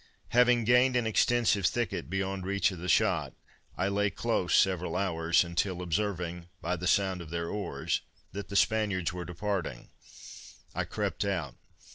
Having gained an extensive thicket beyond reach of the shot, I lay close several hours, until observing, by the sound of their oars, that the Spaniards were departing, I crept out.